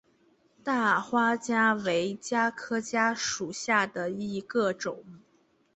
大花茄为茄科茄属下的一个种。